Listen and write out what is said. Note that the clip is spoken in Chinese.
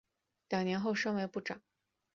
两年后升为部长。